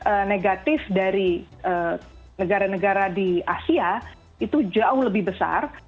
respon negatif dari negara negara di asia itu jauh lebih besar